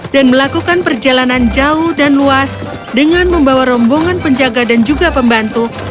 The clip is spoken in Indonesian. dan melakukan perjalanan jauh dan luas dengan membawa rombongan penjaga dan juga pembantu